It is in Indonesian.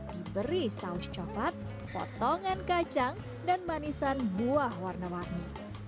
diberi saus coklat potongan kacang dan manisan buah warna warni